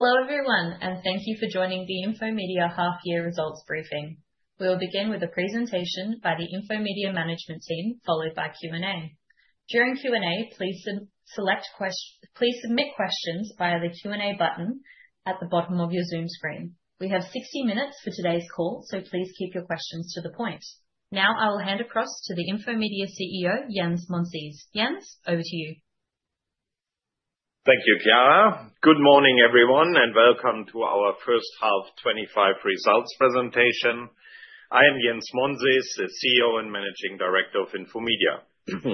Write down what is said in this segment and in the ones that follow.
Hello, everyone, and thank you for joining the Infomedia half-year results briefing. We will begin with a presentation by the Infomedia Management Team, followed by Q&A. During Q&A, please select questions via the Q&A button at the bottom of your Zoom screen. We have 60 minutes for today's call, so please keep your questions to the point. Now, I will hand across to the Infomedia CEO, Jens Monsees. Jens, over to you. Thank you, Caroline. Good morning, everyone, and welcome to our First Half 2025 Results Presentation. I am Jens Monsees, the CEO and Managing Director of Infomedia.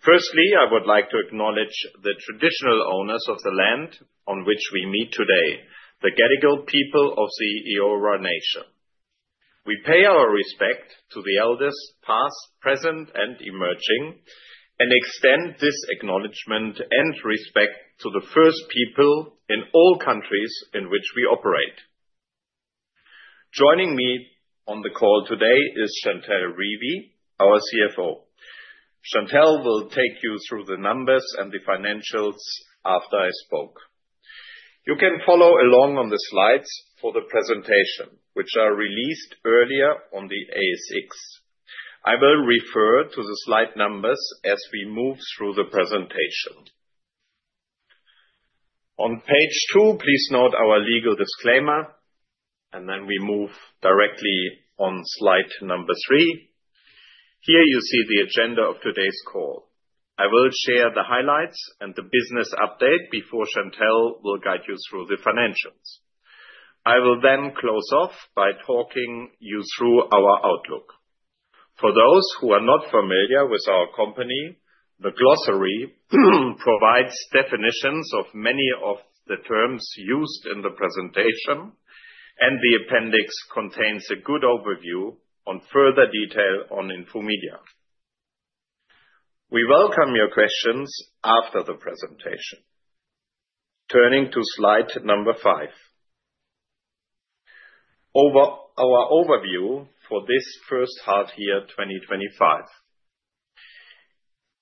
Firstly, I would like to acknowledge the traditional owners of the land on which we meet today, the Gadigal people of the Eora Nation. We pay our respect to the elders past, present, and emerging, and extend this acknowledgment and respect to the first people in all countries in which we operate. Joining me on the call today is Chantell Revie, our CFO. Chantell will take you through the numbers and the financials after I spoke. You can follow along on the slides for the presentation, which are released earlier on the ASX. I will refer to the slide numbers as we move through the presentation. On page two, please note our legal disclaimer, and then we move directly on slide number three. Here you see the agenda of today's call. I will share the highlights and the business update before Chantell will guide you through the financials. I will then close off by talking you through our outlook. For those who are not familiar with our company, the glossary provides definitions of many of the terms used in the presentation, and the appendix contains a good overview on further detail on Infomedia. We welcome your questions after the presentation. Turning to slide number five, our overview for this first half year 2025.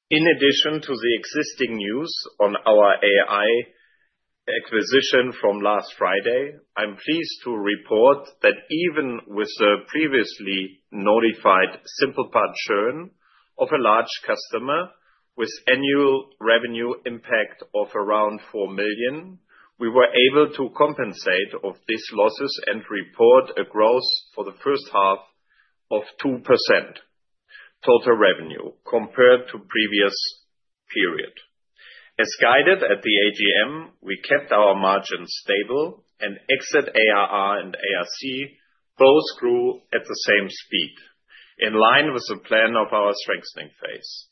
In addition to the existing news on our AI acquisition from last Friday, I'm pleased to report that even with the previously notified SimplePart churn of a large customer with annual revenue impact of around 4 million, we were able to compensate for these losses and report a growth for the first half of 2% total revenue compared to the previous period. As guided at the AGM, we kept our margins stable, and exit ARR and ARC both grew at the same speed, in line with the plan of our strengthening phase.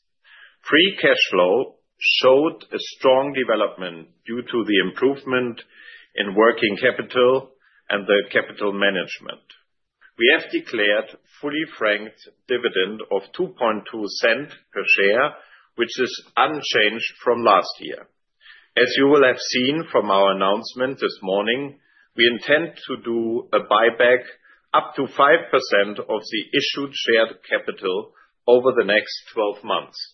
Free cash flow showed a strong development due to the improvement in working capital and the capital management. We have declared a fully franked dividend of 0.022 per share, which is unchanged from last year. As you will have seen from our announcement this morning, we intend to do a buyback up to 5% of the issued share capital over the next 12 months.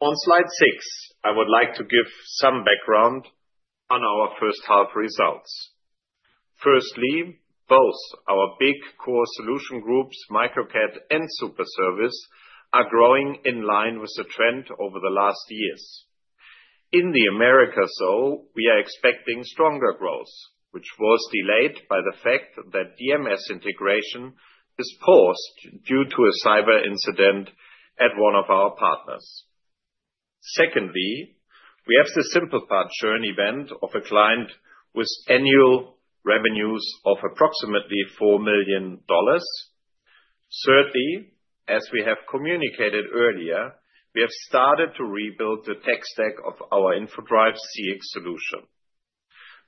On slide six, I would like to give some background on our first half results. Firstly, both our big core solution groups, Microcat and Superservice, are growing in line with the trend over the last years. In the Americas, though, we are expecting stronger growth, which was delayed by the fact that DMS integration is paused due to a cyber incident at one of our partners. Secondly, we have the SimplePart churn event of a client with annual revenues of approximately $4 million. Thirdly, as we have communicated earlier, we have started to rebuild the tech stack of our Infodrive CX solution.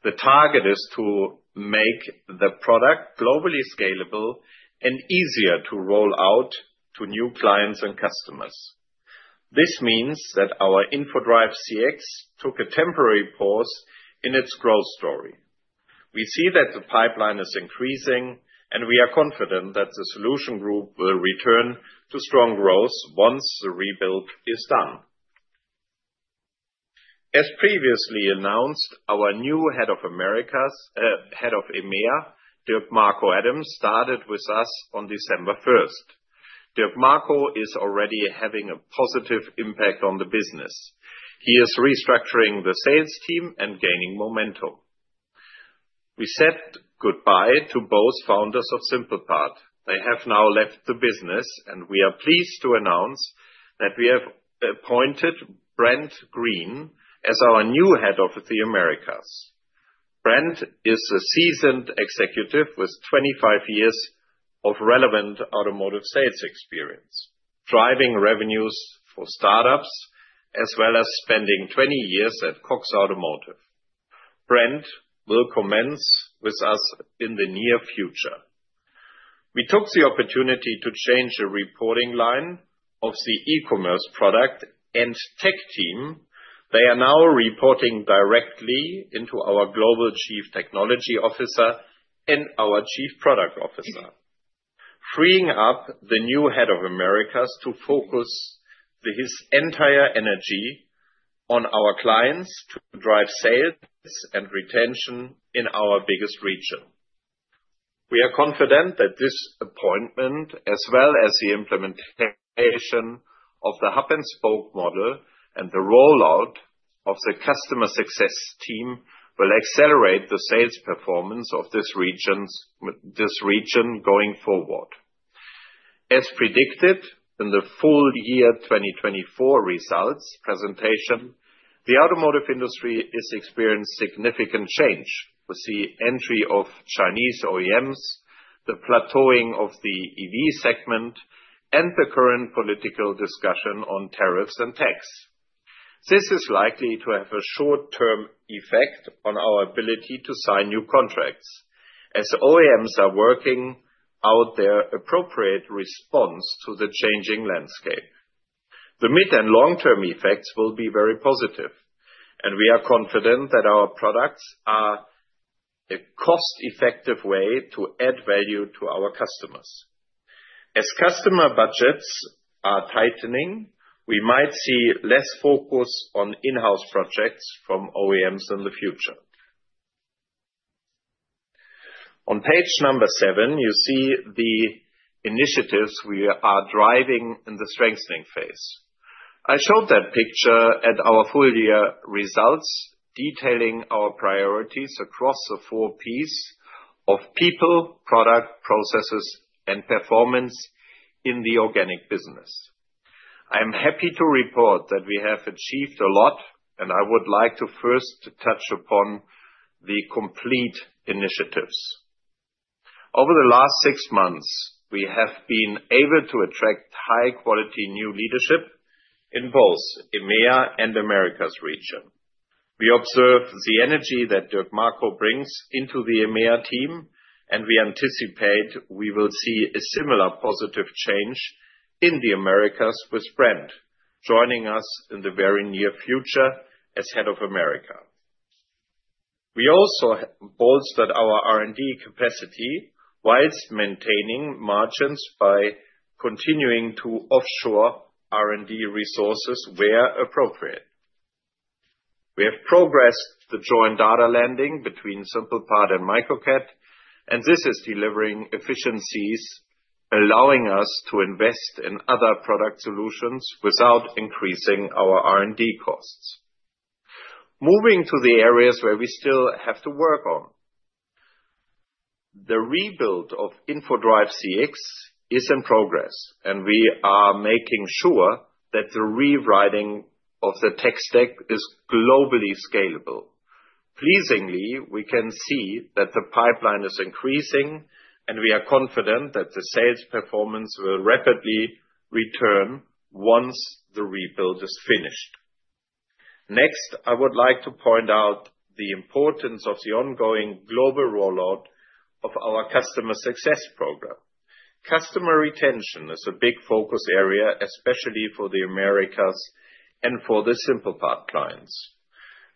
The target is to make the product globally scalable and easier to roll out to new clients and customers. This means that our Infodrive CX took a temporary pause in its growth story. We see that the pipeline is increasing, and we are confident that the solution group will return to strong growth once the rebuild is done. As previously announced, our new head of EMEA, Dirk-Marco Adams, started with us on December 1st. Dirk-Marco is already having a positive impact on the business. He is restructuring the sales team and gaining momentum. We said goodbye to both founders of SimplePart. They have now left the business, and we are pleased to announce that we have appointed Brent Green as our new head of the Americas. Brent is a seasoned executive with 25 years of relevant automotive sales experience, driving revenues for startups as well as spending 20 years at Cox Automotive. Brent will commence with us in the near future. We took the opportunity to change the reporting line of the e-commerce product and tech team. They are now reporting directly into our global Chief Technology Officer and our Chief Product Officer, freeing up the new Head of the Americas to focus his entire energy on our clients to drive sales and retention in our biggest region. We are confident that this appointment, as well as the implementation of the hub-and-spoke model and the rollout of the customer success team, will accelerate the sales performance of this region going forward. As predicted in the full year 2024 results presentation, the automotive industry is experiencing significant change with the entry of Chinese OEMs, the plateauing of the EV segment, and the current political discussion on tariffs and tax. This is likely to have a short-term effect on our ability to sign new contracts as OEMs are working out their appropriate response to the changing landscape. The mid and long-term effects will be very positive, and we are confident that our products are a cost-effective way to add value to our customers. As customer budgets are tightening, we might see less focus on in-house projects from OEMs in the future. On page number seven, you see the initiatives we are driving in the strengthening phase. I showed that picture at our full year results detailing our priorities across the four Ps of people, product, processes, and performance in the organic business. I am happy to report that we have achieved a lot, and I would like to first touch upon the complete initiatives. Over the last six months, we have been able to attract high-quality new leadership in both EMEA and Americas region. We observe the energy that Dirk-Marco brings into the EMEA team, and we anticipate we will see a similar positive change in the Americas with Brent joining us in the very near future as head of the Americas. We also bolstered our R&D capacity whilst maintaining margins by continuing to offshore R&D resources where appropriate. We have progressed the joint data landing between SimplePart and Microcat, and this is delivering efficiencies, allowing us to invest in other product solutions without increasing our R&D costs. Moving to the areas where we still have to work on, the rebuild of Infodrive CX is in progress, and we are making sure that the rewriting of the tech stack is globally scalable. Pleasingly, we can see that the pipeline is increasing, and we are confident that the sales performance will rapidly return once the rebuild is finished. Next, I would like to point out the importance of the ongoing global rollout of our customer success program. Customer retention is a big focus area, especially for the Americas and for the SimplePart clients.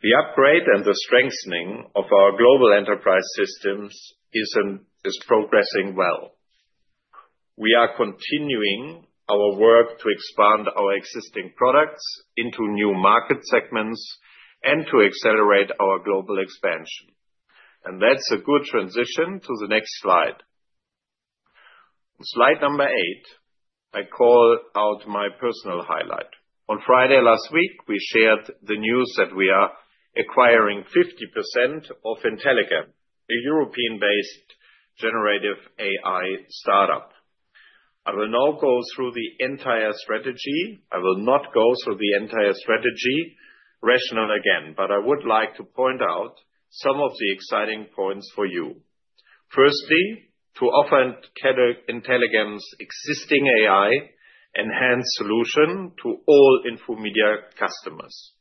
The upgrade and the strengthening of our global enterprise systems is progressing well. We are continuing our work to expand our existing products into new market segments and to accelerate our global expansion, and that's a good transition to the next slide. On slide number eight, I call out my personal highlight. On Friday last week, we shared the news that we are acquiring 50% of Intellegam, a European-based generative AI startup. I will now go through the entire strategy. I will not go through the entire strategy rationale again, but I would like to point out some of the exciting points for you. Firstly, to offer Intellegam's existing AI-enhanced solution to all Infomedia customers.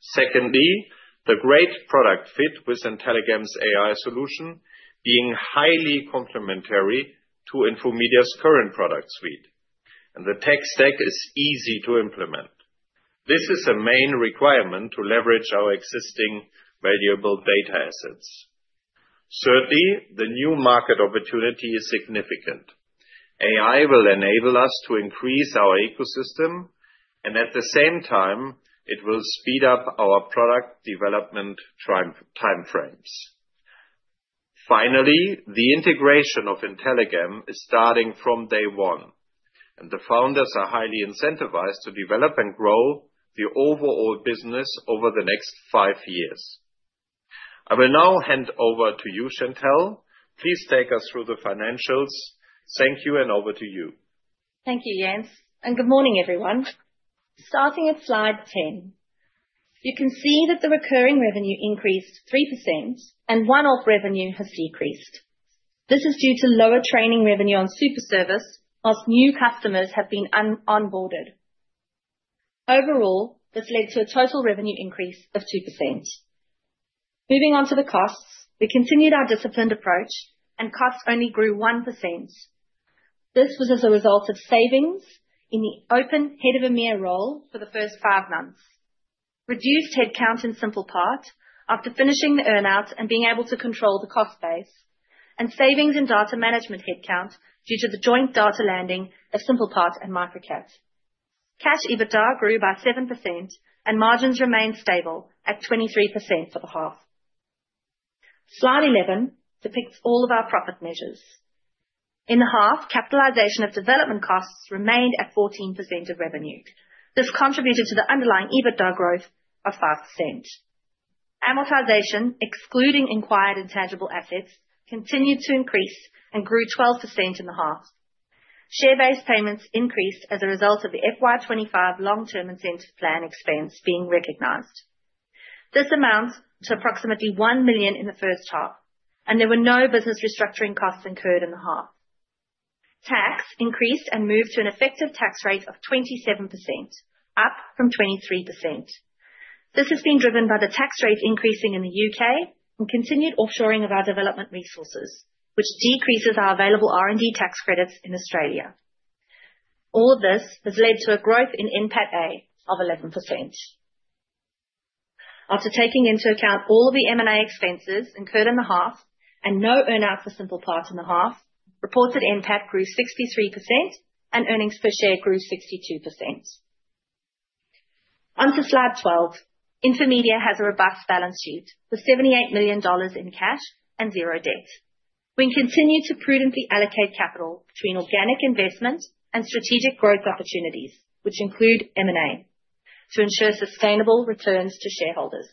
Secondly, the great product fit with Intellegam's AI solution being highly complementary to Infomedia's current product suite, and the tech stack is easy to implement. This is a main requirement to leverage our existing valuable data assets. Thirdly, the new market opportunity is significant. AI will enable us to increase our ecosystem, and at the same time, it will speed up our product development timeframes. Finally, the integration of Intellegam is starting from day one, and the founders are highly incentivized to develop and grow the overall business over the next five years. I will now hand over to you, Chantell. Please take us through the financials. Thank you, and over to you. Thank you, Jens, and good morning, everyone. Starting at slide 10, you can see that the recurring revenue increased 3%, and one-off revenue has decreased. This is due to lower training revenue on Superservice as new customers have been onboarded. Overall, this led to a total revenue increase of 2%. Moving on to the costs, we continued our disciplined approach, and costs only grew 1%. This was as a result of savings in the open head of EMEA role for the first five months, reduced headcount in SimplePart after finishing the earnouts and being able to control the cost base, and savings in data management headcount due to the joint data landing of SimplePart and Microcat. Cash EBITDA grew by 7%, and margins remained stable at 23% for the half. Slide 11 depicts all of our profit measures. In the half, capitalization of development costs remained at 14% of revenue. This contributed to the underlying EBITDA growth of 5%. Amortization, excluding acquired intangible assets, continued to increase and grew 12% in the half. Share-based payments increased as a result of the FY25 long-term incentive plan expense being recognized. This amounted to approximately 1 million in the first half, and there were no business restructuring costs incurred in the half. Tax increased and moved to an effective tax rate of 27%, up from 23%. This has been driven by the tax rate increasing in the U.K. and continued offshoring of our development resources, which decreases our available R&D tax credits in Australia. All of this has led to a growth in NPAT A of 11%. After taking into account all the M&A expenses incurred in the half and no earnouts for SimplePart in the half, reported NPAT grew 63% and earnings per share grew 62%. Onto slide 12, Infomedia has a robust balance sheet with 78 million dollars in cash and zero debt. We continue to prudently allocate capital between organic investment and strategic growth opportunities, which include M&A, to ensure sustainable returns to shareholders.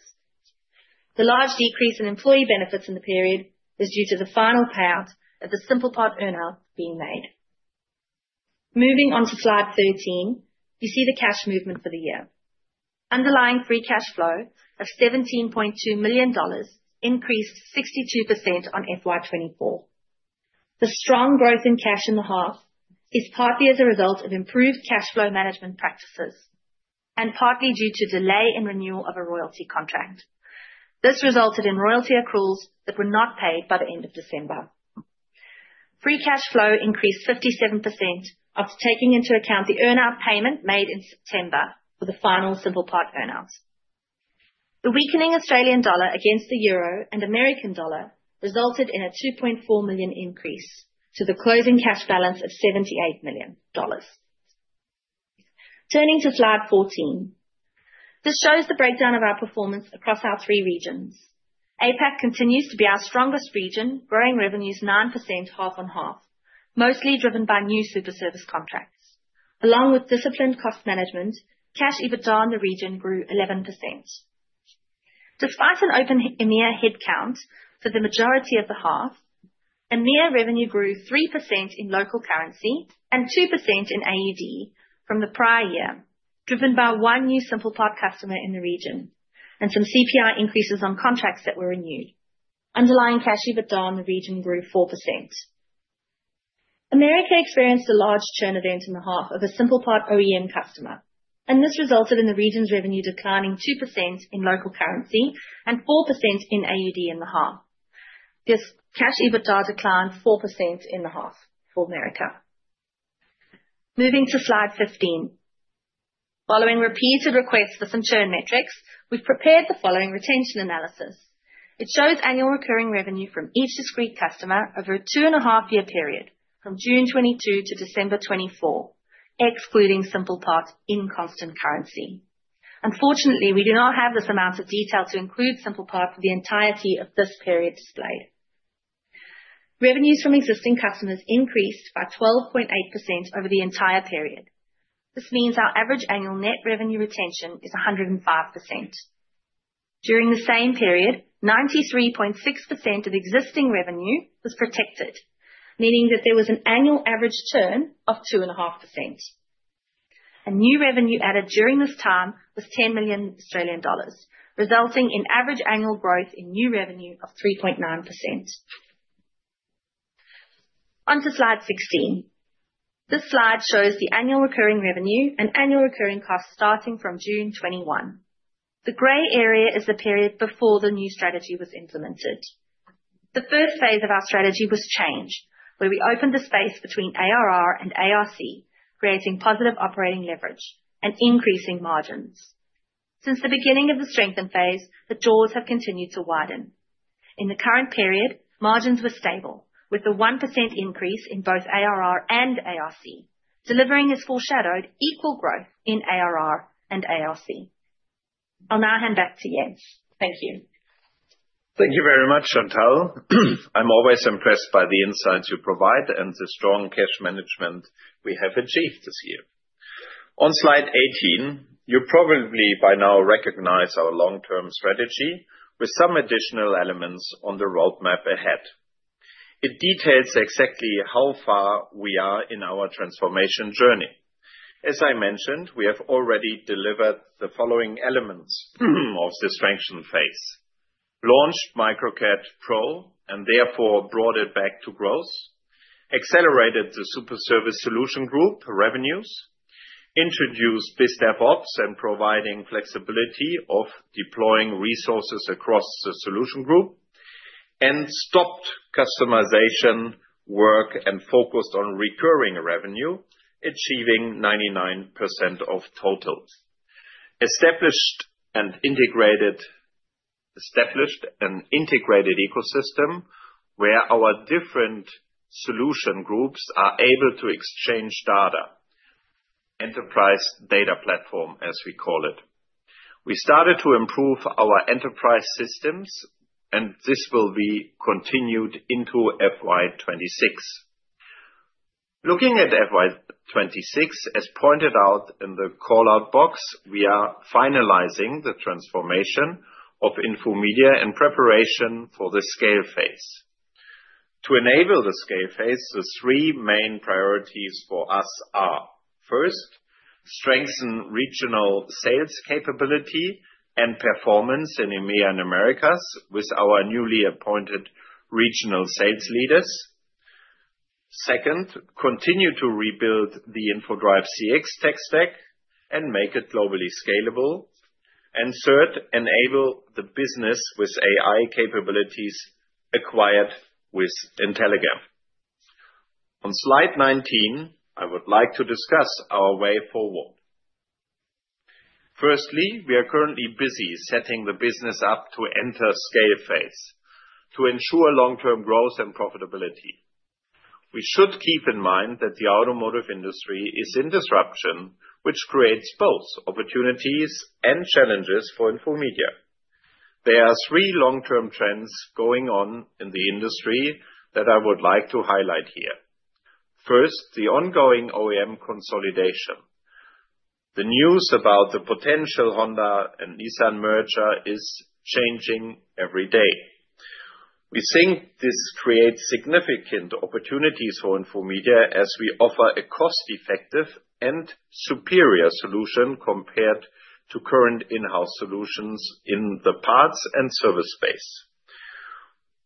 The large decrease in employee benefits in the period is due to the final payout of the SimplePart earnout being made. Moving on to slide 13, you see the cash movement for the year. Underlying free cash flow of 17.2 million dollars increased 62% on FY24. The strong growth in cash in the half is partly as a result of improved cash flow management practices and partly due to delay in renewal of a royalty contract. This resulted in royalty accruals that were not paid by the end of December. Free cash flow increased 57% after taking into account the earnout payment made in September for the final SimplePart earnouts. The weakening Australian dollar against the euro and American dollar resulted in a $2.4 million increase to the closing cash balance of $78 million. Turning to slide 14, this shows the breakdown of our performance across our three regions. APAC continues to be our strongest region, growing revenues 9% half on half, mostly driven by new Superservice contracts. Along with disciplined cost management, cash EBITDA in the region grew 11%. Despite an open EMEA headcount for the majority of the half, EMEA revenue grew 3% in local currency and 2% in AUD from the prior year, driven by one new SimplePart customer in the region and some CPI increases on contracts that were renewed. Underlying cash EBITDA in the region grew 4%. Americas experienced a large churn event in the half of a SimplePart OEM customer, and this resulted in the region's revenue declining 2% in local currency and 4% in AUD in the half. This Cash EBITDA declined 4% in the half for the Americas. Moving to slide 15. Following repeated requests for some churn metrics, we've prepared the following retention analysis. It shows annual recurring revenue from each discrete customer over a two-and-a-half-year period from June 2022 to December 2024, excluding SimplePart in constant currency. Unfortunately, we do not have this amount of detail to include SimplePart for the entirety of this period displayed. Revenues from existing customers increased by 12.8% over the entire period. This means our average annual net revenue retention is 105%. During the same period, 93.6% of existing revenue was protected, meaning that there was an annual average churn of 2.5%. New revenue added during this time was 10 million Australian dollars, resulting in average annual growth in new revenue of 3.9%. Onto slide 16. This slide shows the annual recurring revenue and annual recurring costs starting from June 2021. The gray area is the period before the new strategy was implemented. The first phase of our strategy was change, where we opened the space between ARR and ARC, creating positive operating leverage and increasing margins. Since the beginning of the strengthen phase, the doors have continued to widen. In the current period, margins were stable with a 1% increase in both ARR and ARC, delivering as foreshadowed equal growth in ARR and ARC. I'll now hand back to Jens. Thank you. Thank you very much, Chantell. I'm always impressed by the insights you provide and the strong cash management we have achieved this year. On slide 18, you probably by now recognize our long-term strategy with some additional elements on the roadmap ahead. It details exactly how far we are in our transformation journey. As I mentioned, we have already delivered the following elements of the strengthen phase: launched Microcat Pro and therefore brought it back to growth, accelerated the Superservice solution group revenues, introduced BizDevOps and providing flexibility of deploying resources across the solution group, and stopped customization work and focused on recurring revenue, achieving 99% of total. Established an integrated ecosystem where our different solution groups are able to exchange data, Enterprise Data Platform, as we call it. We started to improve our enterprise systems, and this will be continued into FY26. Looking at FY26, as pointed out in the callout box, we are finalizing the transformation of Infomedia in preparation for the scale phase. To enable the scale phase, the three main priorities for us are: first, strengthen regional sales capability and performance in EMEA and Americas with our newly appointed regional sales leaders. Second, continue to rebuild the Infodrive CX tech stack and make it globally scalable. And third, enable the business with AI capabilities acquired with Intellegam. On slide 19, I would like to discuss our way forward. Firstly, we are currently busy setting the business up to enter scale phase to ensure long-term growth and profitability. We should keep in mind that the automotive industry is in disruption, which creates both opportunities and challenges for Infomedia. There are three long-term trends going on in the industry that I would like to highlight here. First, the ongoing OEM consolidation. The news about the potential Honda and Nissan merger is changing every day. We think this creates significant opportunities for Infomedia as we offer a cost-effective and superior solution compared to current in-house solutions in the parts and service space.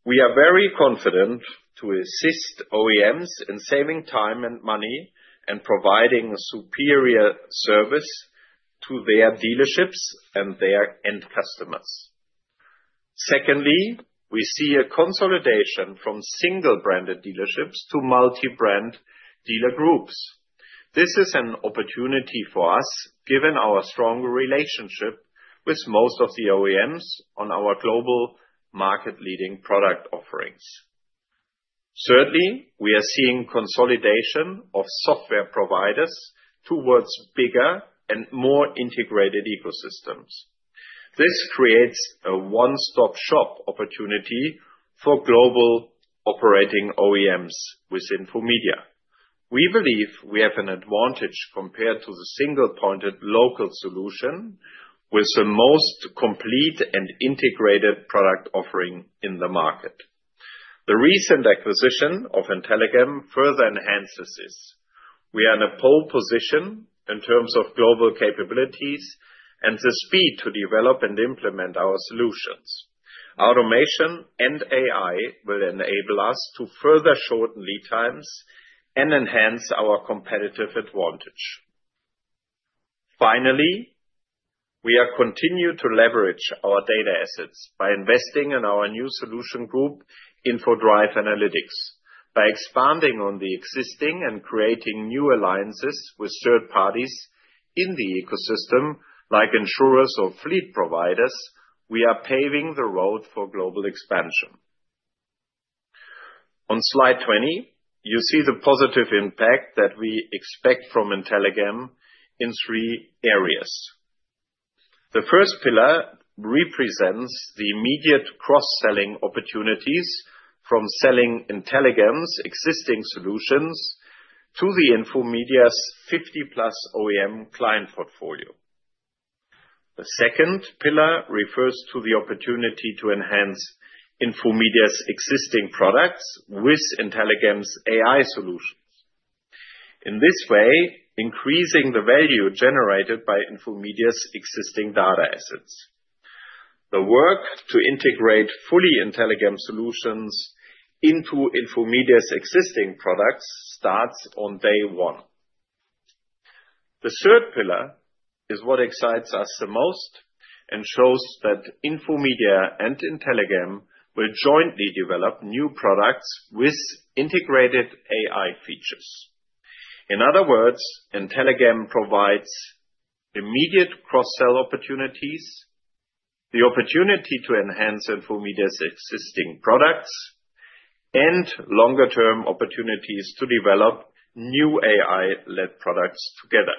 We are very confident to assist OEMs in saving time and money and providing a superior service to their dealerships and their end customers. Secondly, we see a consolidation from single-branded dealerships to multi-brand dealer groups. This is an opportunity for us given our strong relationship with most of the OEMs on our global market-leading product offerings. Thirdly, we are seeing consolidation of software providers towards bigger and more integrated ecosystems. This creates a one-stop-shop opportunity for global operating OEMs with Infomedia. We believe we have an advantage compared to the single-pointed local solution with the most complete and integrated product offering in the market. The recent acquisition of Intellegam further enhances this. We are in a pole position in terms of global capabilities and the speed to develop and implement our solutions. Automation and AI will enable us to further shorten lead times and enhance our competitive advantage. Finally, we are continuing to leverage our data assets by investing in our new solution group, Infodrive Analytics. By expanding on the existing and creating new alliances with third parties in the ecosystem, like insurers or fleet providers, we are paving the road for global expansion. On slide 20, you see the positive impact that we expect from Intellegam in three areas. The first pillar represents the immediate cross-selling opportunities from selling Intellegam's existing solutions to the Infomedia's 50-plus OEM client portfolio. The second pillar refers to the opportunity to enhance Infomedia's existing products with Intellegam's AI solutions. In this way, increasing the value generated by Infomedia's existing data assets. The work to integrate fully Intellegam solutions into Infomedia's existing products starts on day one. The third pillar is what excites us the most and shows that Infomedia and Intellegam will jointly develop new products with integrated AI features. In other words, Intellegam provides immediate cross-sell opportunities, the opportunity to enhance Infomedia's existing products, and longer-term opportunities to develop new AI-led products together.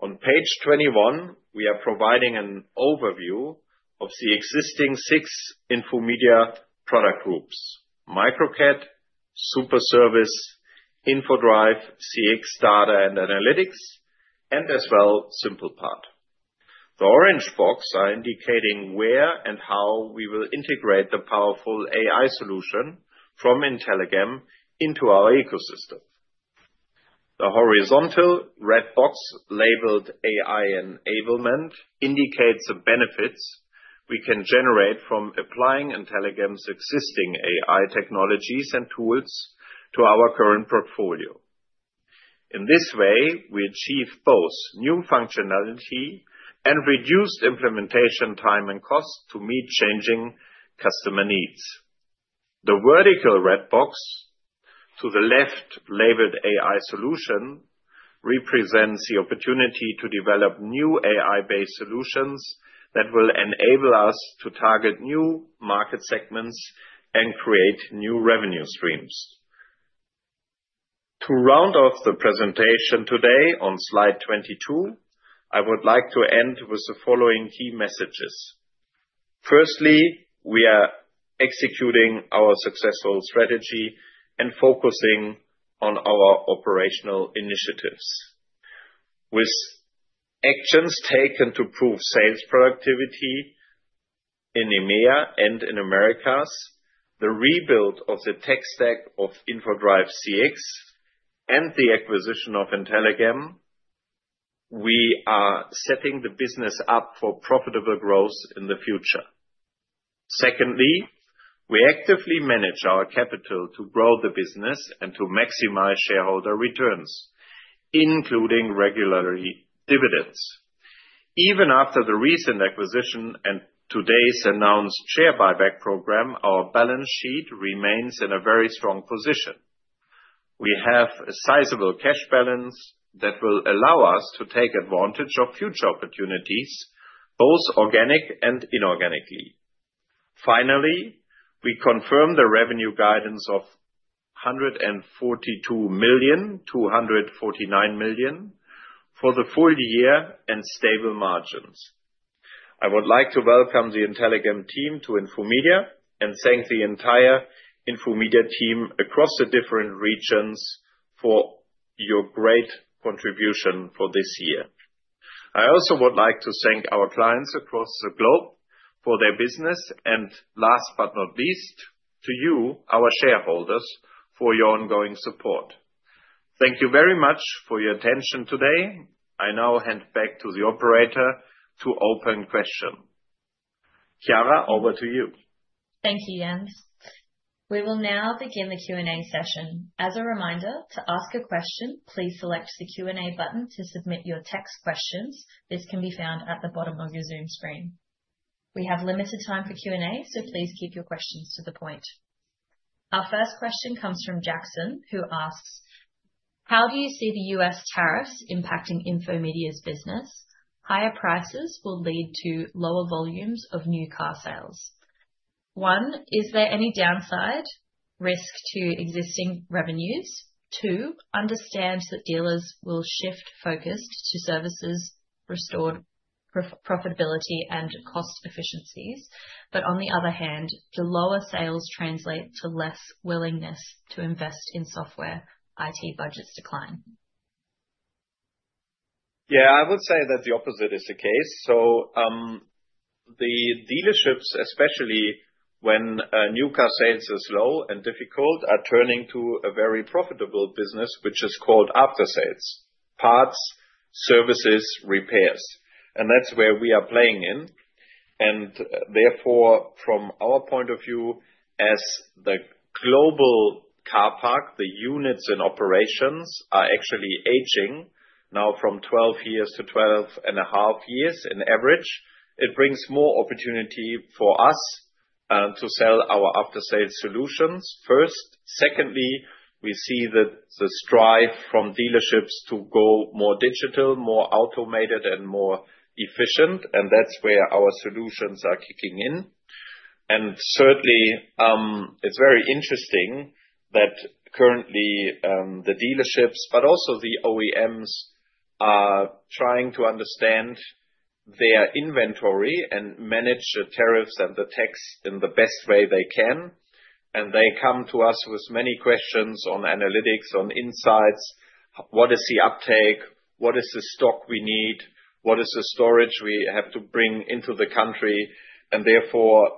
On page 21, we are providing an overview of the existing six Infomedia product groups: Microcat, Superservice, Infodrive CX Data and Analytics, and as well SimplePart. The orange box is indicating where and how we will integrate the powerful AI solution from Intellegam into our ecosystem. The horizontal red box labeled AI enablement indicates the benefits we can generate from applying Intellegam's existing AI technologies and tools to our current portfolio. In this way, we achieve both new functionality and reduced implementation time and cost to meet changing customer needs. The vertical red box to the left labeled AI solution represents the opportunity to develop new AI-based solutions that will enable us to target new market segments and create new revenue streams. To round off the presentation today on slide 22, I would like to end with the following key messages. Firstly, we are executing our successful strategy and focusing on our operational initiatives. With actions taken to improve sales productivity in EMEA and in Americas, the rebuild of the tech stack of Infodrive CX, and the acquisition of Intellegam, we are setting the business up for profitable growth in the future. Secondly, we actively manage our capital to grow the business and to maximize shareholder returns, including regular dividends. Even after the recent acquisition and today's announced share buyback program, our balance sheet remains in a very strong position. We have a sizable cash balance that will allow us to take advantage of future opportunities, both organic and inorganically. Finally, we confirm the revenue guidance of 142-149 million for the full year and stable margins. I would like to welcome the Intellegam team to Infomedia and thank the entire Infomedia team across the different regions for your great contribution for this year. I also would like to thank our clients across the globe for their business. And last but not least, to you, our shareholders, for your ongoing support. Thank you very much for your attention today. I now hand back to the operator to open question. Caroline, over to you. Thank you, Jens. We will now begin the Q&A session. As a reminder, to ask a question, please select the Q&A button to submit your text questions. This can be found at the bottom of your Zoom screen. We have limited time for Q&A, so please keep your questions to the point. Our first question comes from Jackson, who asks, "How do you see the U.S. tariffs impacting Infomedia's business? Higher prices will lead to lower volumes of new car sales. One, is there any downside risk to existing revenues? Two, understand that dealers will shift focus to services, restored profitability, and cost efficiencies. But on the other hand, do lower sales translate to less willingness to invest in software? IT budgets decline. Yeah, I would say that the opposite is the case. So the dealerships, especially when new car sales are slow and difficult, are turning to a very profitable business, which is called after-sales parts, services, repairs. And that's where we are playing in. And therefore, from our point of view, as the global car park, the vehicles in operation are actually aging now from 12 years to 12 and a half years on average. It brings more opportunity for us to sell our after-sales solutions first. Secondly, we see the drive from dealerships to go more digital, more automated, and more efficient. And that's where our solutions are kicking in. And certainly, it's very interesting that currently the dealerships, but also the OEMs, are trying to understand their inventory and manage the tariffs and the tax in the best way they can. They come to us with many questions on analytics, on insights. What is the uptake? What is the stock we need? What is the storage we have to bring into the country? Therefore,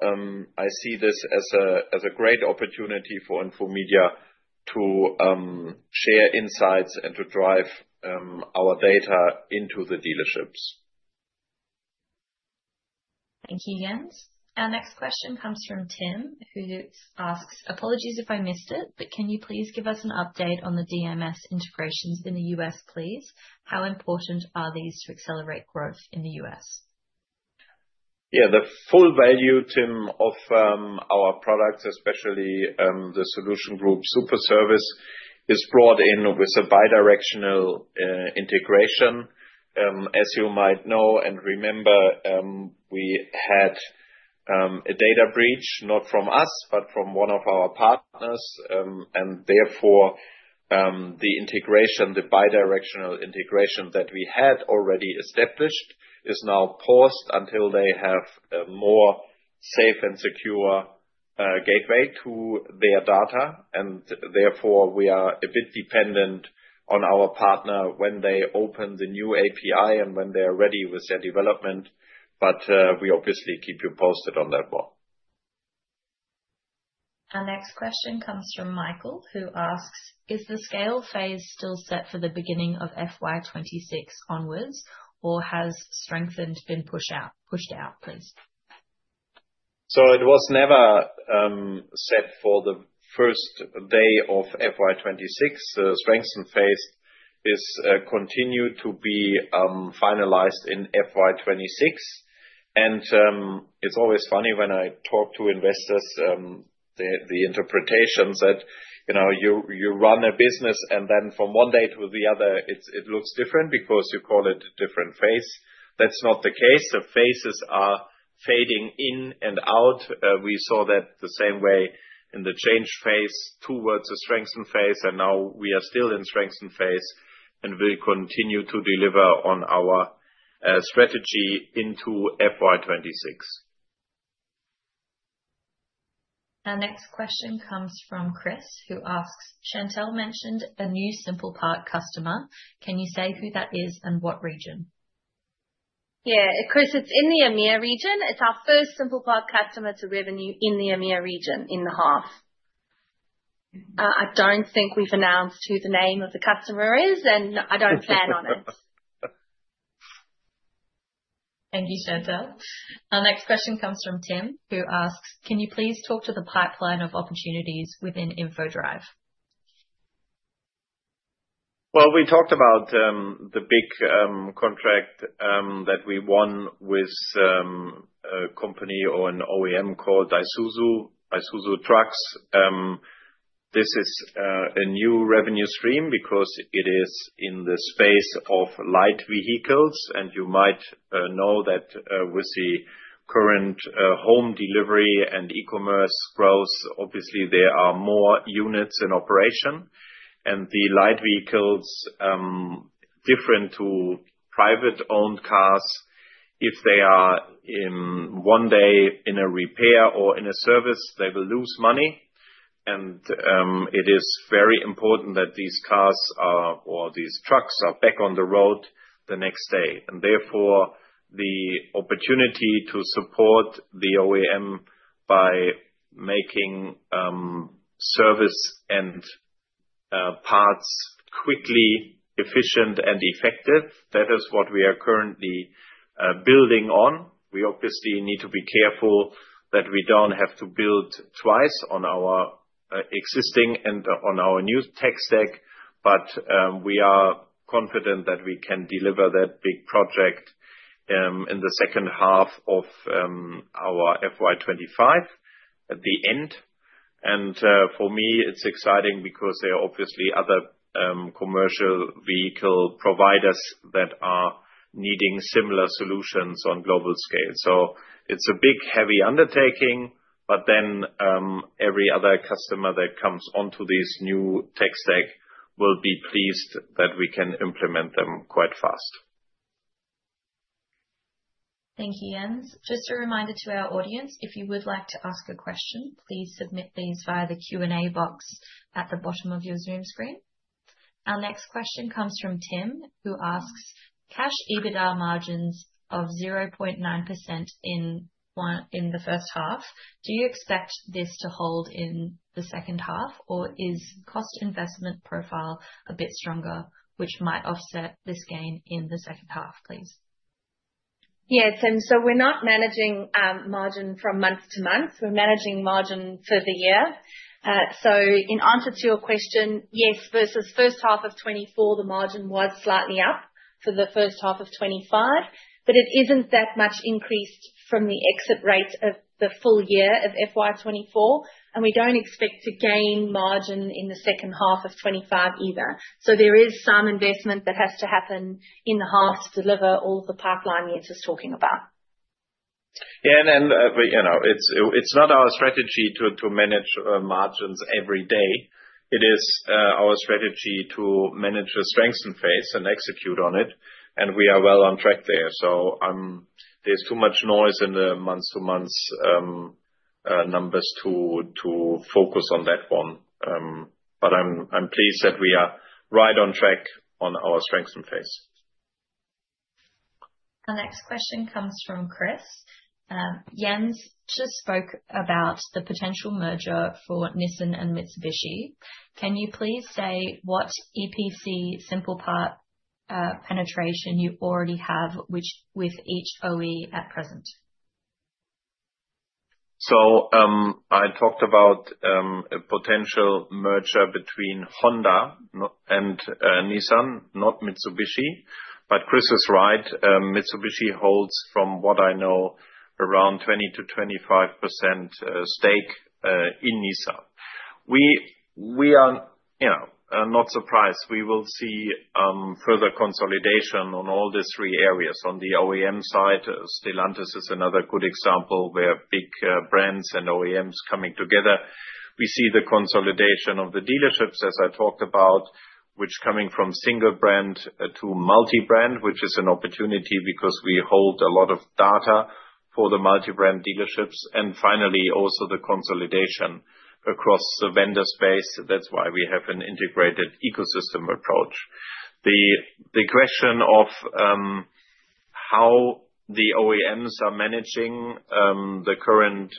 I see this as a great opportunity for Infomedia to share insights and to drive our data into the dealerships. Thank you, Jens. Our next question comes from Tim, who asks, "Apologies if I missed it, but can you please give us an update on the DMS integrations in the U.S., please? How important are these to accelerate growth in the U.S.? Yeah, the full value, Tim, of our products, especially the solution group Superservice, is brought in with a bidirectional integration. As you might know and remember, we had a data breach, not from us, but from one of our partners. And therefore, the integration, the bidirectional integration that we had already established, is now paused until they have a more safe and secure gateway to their data. And therefore, we are a bit dependent on our partner when they open the new API and when they are ready with their development. But we obviously keep you posted on that one. Our next question comes from Michael, who asks, "Is the scale phase still set for the beginning of FY26 onwards, or has the scale phase been pushed out, please? It was never set for the first day of FY26. Strengthened phase is continued to be finalized in FY26. It's always funny when I talk to investors, the interpretation that you run a business and then from one day to the other, it looks different because you call it a different phase. That's not the case. The phases are fading in and out. We saw that the same way in the change phase towards the strengthened phase. Now we are still in strengthened phase and will continue to deliver on our strategy into FY26. Our next question comes from Chris, who asks, "Chantell mentioned a new SimplePart customer. Can you say who that is and what region? Yeah, Chris, it's in the EMEA region. It's our first SimplePart customer to revenue in the EMEA region in the hub. I don't think we've announced who the name of the customer is, and I don't plan on it. Thank you, Chantell. Our next question comes from Tim, who asks, "Can you please talk to the pipeline of opportunities within Infodrive? We talked about the big contract that we won with a company or an OEM called Isuzu, Isuzu Trucks. This is a new revenue stream because it is in the space of light vehicles. And you might know that with the current home delivery and e-commerce growth, obviously, there are more units in operation. And the light vehicles are different from private-owned cars. If they are one day in a repair or in a service, they will lose money. And it is very important that these cars or these trucks are back on the road the next day. And therefore, the opportunity to support the OEM by making service and parts quickly, efficient, and effective, that is what we are currently building on. We obviously need to be careful that we don't have to build twice on our existing and on our new tech stack, but we are confident that we can deliver that big project in the second half of our FY25 at the end, and for me, it's exciting because there are obviously other commercial vehicle providers that are needing similar solutions on global scale, so it's a big, heavy undertaking, but then every other customer that comes onto this new tech stack will be pleased that we can implement them quite fast. Thank you, Jens. Just a reminder to our audience, if you would like to ask a question, please submit these via the Q&A box at the bottom of your Zoom screen. Our next question comes from Tim, who asks, "Cash EBITDA margins of 0.9% in the first half, do you expect this to hold in the second half, or is cost investment profile a bit stronger, which might offset this gain in the second half, please? Yeah, Tim, so we're not managing margin from month to month. We're managing margin for the year. So in answer to your question, yes, versus first half of 2024, the margin was slightly up for the first half of 2025, but it isn't that much increased from the exit rate of the full year of FY 2024. And we don't expect to gain margin in the second half of 2025 either. So there is some investment that has to happen in the half to deliver all of the pipeline we're just talking about. Yeah, and it's not our strategy to manage margins every day. It is our strategy to manage a strengthening phase and execute on it, and we are well on track there, so there's too much noise in the month-to-month numbers to focus on that one, but I'm pleased that we are right on track on our strengthening phase. Our next question comes from Chris. Jens just spoke about the potential merger for Nissan and Mitsubishi. Can you please say what EPC SimplePart penetration you already have with each OE at present? So I talked about a potential merger between Honda and Nissan, not Mitsubishi. But Chris is right. Mitsubishi holds, from what I know, around 20%-25% stake in Nissan. We are not surprised. We will see further consolidation on all these three areas. On the OEM side, Stellantis is another good example where big brands and OEMs are coming together. We see the consolidation of the dealerships, as I talked about, which is coming from single brand to multi-brand, which is an opportunity because we hold a lot of data for the multi-brand dealerships. And finally, also the consolidation across the vendor space. That's why we have an integrated ecosystem approach. The question of how the OEMs are managing the current,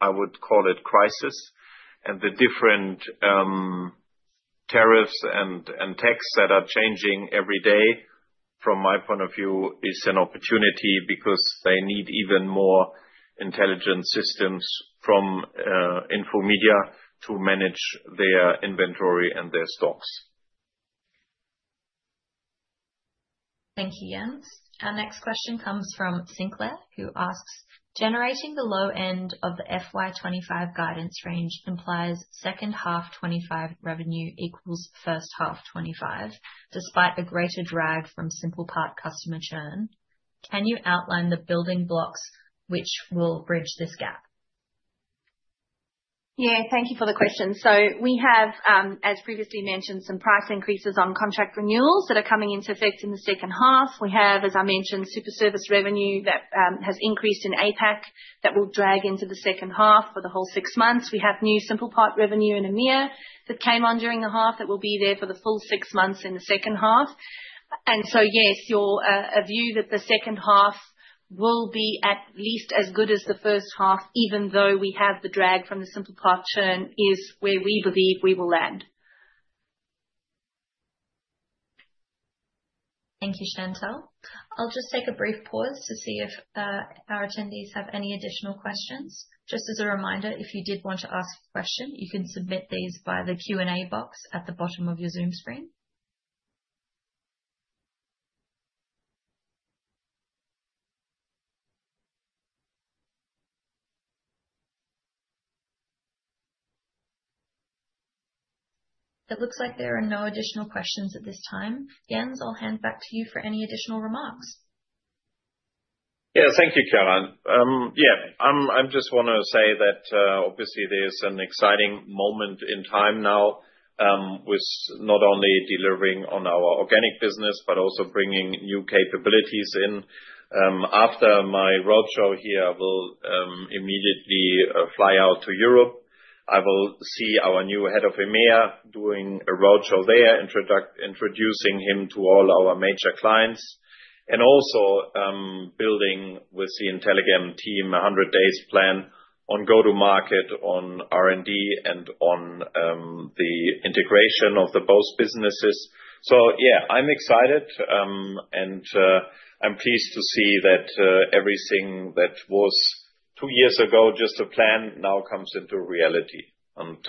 I would call it, crisis and the different tariffs and tax that are changing every day, from my point of view, is an opportunity because they need even more intelligent systems from Infomedia to manage their inventory and their stocks. Thank you, Jens. Our next question comes from Sinclair, who asks, "Generating the low end of the FY25 guidance range implies second half 2025 revenue equals first half 2025, despite a greater drag from SimplePart customer churn. Can you outline the building blocks which will bridge this gap? Yeah, thank you for the question. So we have, as previously mentioned, some price increases on contract renewals that are coming into effect in the second half. We have, as I mentioned, Superservice revenue that has increased in APAC that will drag into the second half for the whole six months. We have new SimplePart revenue in EMEA that came on during the half that will be there for the full six months in the second half. And so yes, your view that the second half will be at least as good as the first half, even though we have the drag from the SimplePart churn, is where we believe we will land. Thank you, Chantell. I'll just take a brief pause to see if our attendees have any additional questions. Just as a reminder, if you did want to ask a question, you can submit these by the Q&A box at the bottom of your Zoom screen. It looks like there are no additional questions at this time. Jens, I'll hand back to you for any additional remarks. Yeah, thank you, Caroline. Yeah, I just want to say that obviously there's an exciting moment in time now with not only delivering on our organic business, but also bringing new capabilities in. After my roadshow here, I will immediately fly out to Europe. I will see our new head of EMEA doing a roadshow there, introducing him to all our major clients, and also building with the Intellegam team a 100-day plan on go-to-market, on R&D, and on the integration of the both businesses. So yeah, I'm excited, and I'm pleased to see that everything that was two years ago just a plan now comes into reality. And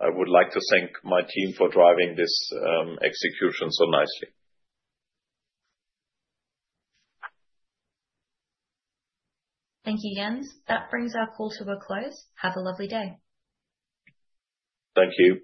I would like to thank my team for driving this execution so nicely. Thank you, Jens. That brings our call to a close. Have a lovely day. Thank you.